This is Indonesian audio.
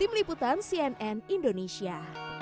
tim liputan cnn indonesia